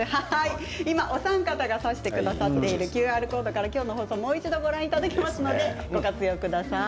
今、お三方が指してくださっているＱＲコードから今日の放送をもう一度ご覧いただけますのでご活用ください。